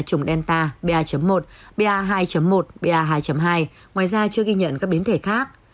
bên cạnh đó biến thể có số mắc nhiễm chủng delta ba một ba hai một ba hai hai ngoài ra chưa ghi nhận các biến thể khác